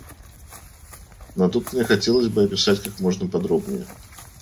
Но тут мне хотелось бы описать как можно подробнее.